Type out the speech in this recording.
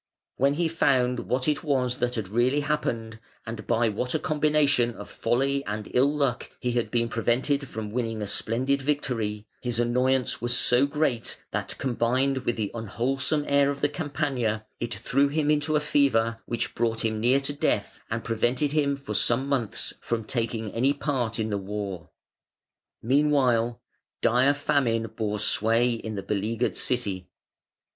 When he found what it was that had really happened, and by what a combination of folly and ill luck he had been prevented from winning a splendid victory, his annoyance was so great that combined with the unwholesome air of the Campagna it threw him into a fever which brought him near to death and prevented him for some months from taking any part in the war. Meanwhile dire famine bore sway in the beleaguered city.